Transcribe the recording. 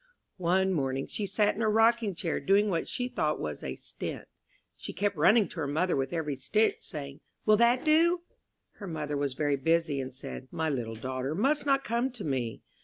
One morning she sat in her rocking chair, doing what she thought was a "stint." She kept running to her mother with every stitch, saying, "Will that do?" Her mother was very busy, and said, "My little daughter must not come to me."